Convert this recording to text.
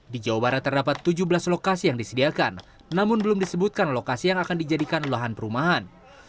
di jawa barat terdapat tujuh belas lokasi yang disediakan namun belum disebutkan lokasi yang akan dijadikan lahan perumahan